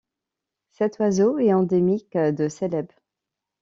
Cet oiseau est endémique de Célèbes.